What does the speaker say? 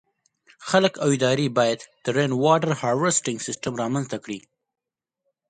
خلک او دولتي ادارې باید د “Rainwater Harvesting” سیسټمونه رامنځته کړي.